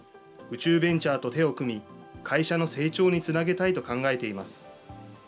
宇宙ベンチャーと手を組み、会社の成長につなげたいと考えています。